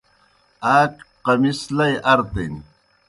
آ قمص لئی ارتِن۔